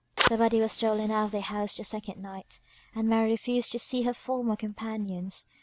The body was stolen out of the house the second night, and Mary refused to see her former companions.